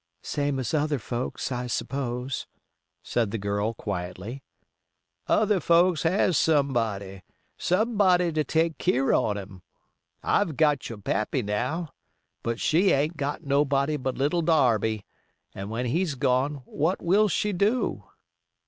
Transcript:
"Same as other folks, I s'pose," said the girl, quietly. "Other folks has somebody—somebody to take keer on 'em. I've got your pappy now; but she ain't got nobody but little Darby—and when he's gone what will she do?"